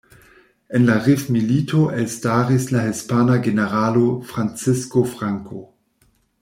En la rif-milito elstaris la hispana generalo Francisco Franco.